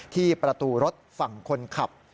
ที่ประตูรถฝั่งคนขับ